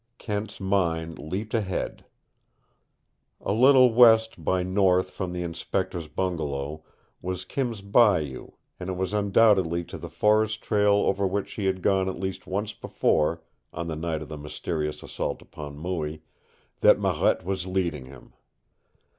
Kent's mind leaped ahead. A little west by north from the inspector's bungalow was Kim's Bayou and it was undoubtedly to the forest trail over which she had gone at least once before, on the night of the mysterious assault upon Mooie, that Marette was leading him.